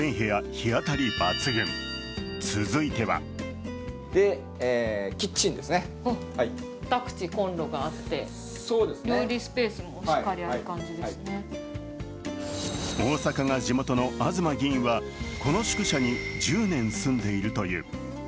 日当たり抜群、続いては大阪が地元の東議員はこの宿舎に１０年住んでいるという。